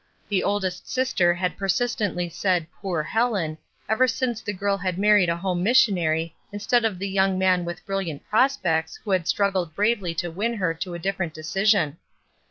The oldest sister had persistently said "poor Helen" ever since the girl had married a home missionary THORNS 35 instead of the young man with brilUant pros pects who had struggled bravely to win her to a different decision.